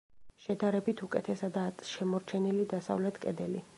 შედარებით უკეთესადაა შემორჩენილი დასავლეთ კედელი.